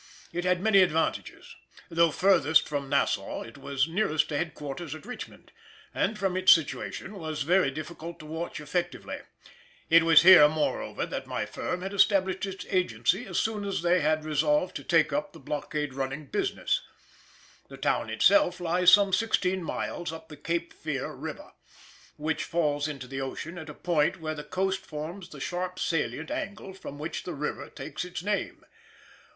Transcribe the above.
It had many advantages. Though furthest from Nassau it was nearest to headquarters at Richmond, and from its situation was very difficult to watch effectively. It was here moreover, that my firm had established its agency as soon as they had resolved to takeup the blockade running business. The town itself lies some sixteen miles up the Cape Fear river, which falls into the ocean at a point where the coast forms the sharp salient angle from which the river takes its name.